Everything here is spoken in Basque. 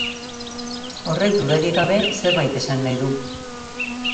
Horrek, dudarik gabe, zerbait esan nahi du.